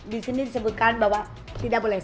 di sini disebutkan bahwa tidak boleh